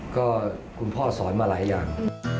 ก็คุณพ่อสอนมาหลายอย่าง